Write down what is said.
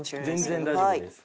全然大丈夫です。